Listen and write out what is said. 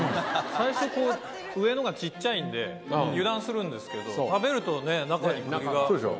最初こう上のが小っちゃいんで油断するんですけど食べるとね中に栗が。